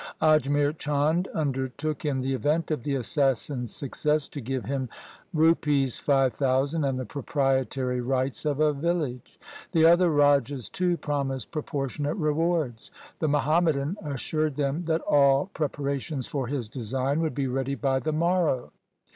Ajmer Chand under took in the event of the assassin's success, to give him Rs. 5000 and the proprietary rights of a village. The other rajas too promised proportionate rewards. The Muhammadan assured them that all prepara tions for his design would be ready by the morrow.